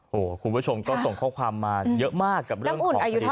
โอ้โหคุณผู้ชมก็ส่งข้อความมาเยอะมากกับเรื่องของคดี